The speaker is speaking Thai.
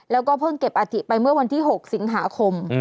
แล้วก็เพิ่งเก็บอาถิไปเมื่อวันที่๖สิงหาคม